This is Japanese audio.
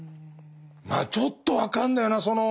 まあちょっと分かるんだよな。